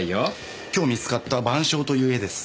今日見つかった『晩鐘』という絵です。